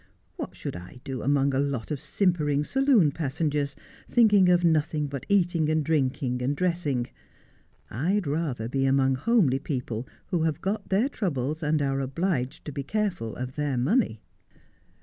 What should I do among a lot of simpering saloon passengers, thinking of nothing but eating and drinking and dressing ! I'd rather be among homely people who have got their troubles, and are obliged to be careful of their money.'